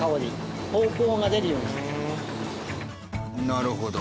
なるほど。